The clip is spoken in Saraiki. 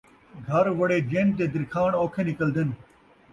گھر وڑے جن تے درکھاݨ اوکھے نکلدن